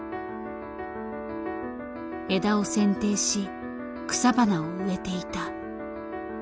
枝を剪定し草花を植えていた。